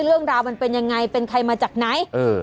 เรื่องราวมันเป็นยังไงเป็นใครมาจากไหน